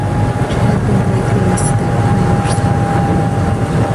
She has been greatly missed there, I understand.